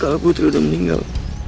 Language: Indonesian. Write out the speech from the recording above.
kalau putri udah meninggal